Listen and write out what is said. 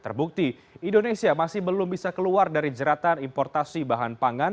terbukti indonesia masih belum bisa keluar dari jeratan importasi bahan pangan